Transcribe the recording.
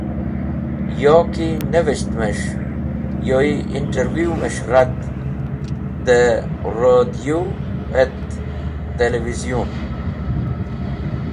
Yo ki nevishtemes̃h, yoy interviw’mes̃h rat dẽ rodiyu et telivizyun.